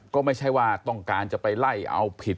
ก็ไม่ใช่ว่าต้องการจะไปไล่เอาผิด